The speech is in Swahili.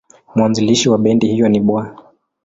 Mwanzilishi wa bendi hiyo ni Bw.